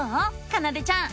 かなでちゃん。